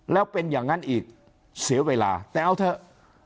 แล้วเป็นอย่างนั้นอีกเสียเวลาแต่เอาเถอะ